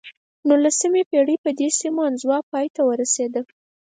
د نولسمې پېړۍ په دې سیمو انزوا پای ته ورسېده.